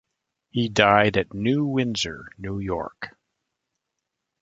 He died at New Windsor, New York.